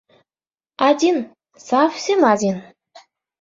— Один, совсем один.